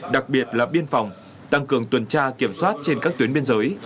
đặc biệt là biên phòng tăng cường tuần tra kiểm soát trên các tuyến biên giới